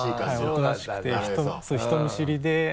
おとなしくて人見知りで。